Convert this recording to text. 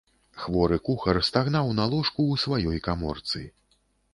Хворы кухар стагнаў на ложку ў сваёй каморцы.